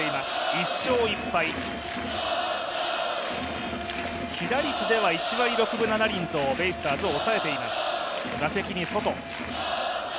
１勝１敗、被打率では１割６分７厘とベイスターズを抑えています。